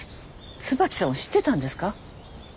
椿さんを知ってたんですか？